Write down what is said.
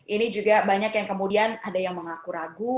ini juga banyak yang kemudian ada yang mengaku ragu